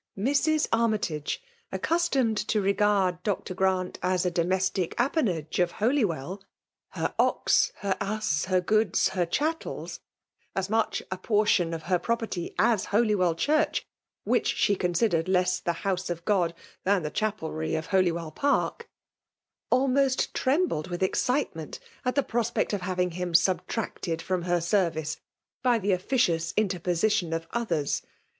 *' Mrs. Armytage, accustomed to regard Dr. 9D FBMAJLB IKWINATfON. Gbttut as a domeatic apwuige of Holjnwdlji — ^hrr ox, her aas, her goodb, her chattek*"* as much a portion of her property as Holywefl chorch, which she consideied less the House of God than the chapehy of Holywell Parky ^ dbnost trembled witii excdtement at the pro spect of having him subtracted from hev senrioe by the officioos interpontion of others.